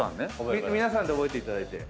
皆さんで覚えていただいて。